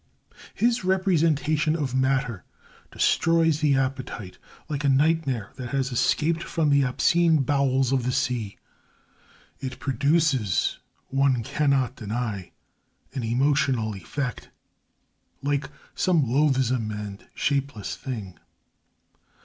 His representation of Matter destroys the appetite like a nightmare that has escaped from the obscene bowels of the sea. It produces, one cannot deny, an emotional effect, like some loathsome and shapeless thing.